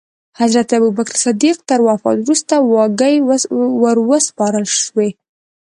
حضرت ابوبکر صدیق تر وفات وروسته واګې وروسپارل شوې.